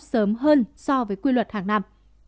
sớm hơn so với quy luật hàng năm